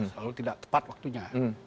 selalu tidak tepat waktunya